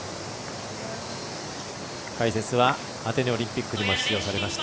解説はアテネオリンピックにも出場されました